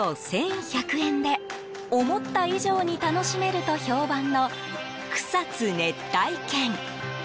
１１００円で思った以上に楽しめると評判の草津熱帯圏。